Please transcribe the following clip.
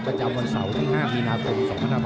ประจำวันเสาร์ที่๕มีนาคม๒๕๖๒